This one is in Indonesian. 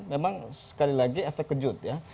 memang sekali lagi efek kejut ya